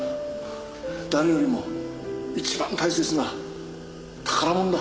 誰よりも一番大切な宝物だ。